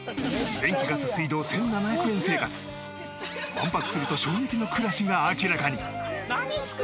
１泊すると衝撃の暮らしが明らかに！